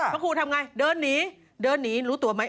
พระครูทำไงเดินหนีรู้ตัวไหม